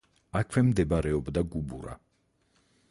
აქვე მდებარეობდა გუბურა.